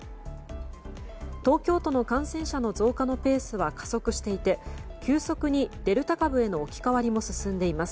東京都の感染者の増加のペースは加速していて急速にデルタ株への置き換わりも進んでいます。